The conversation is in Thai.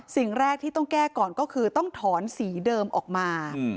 สิ่งแรกที่ต้องแก้ก่อนก็คือต้องถอนสีเดิมออกมา